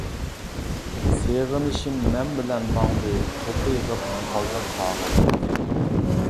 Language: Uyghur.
سېغىنىشىم مەن بىلەن ماڭدى توپا يېغىپ قالدى قاغىلىق.